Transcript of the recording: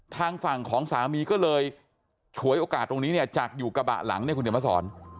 ทางฝั่งของสามีก็เลยฉวยโอกาสตรงนี้เนี่ยจากอยู่กระบะหลังเนี่ยคุณเดี๋ยวมาสอน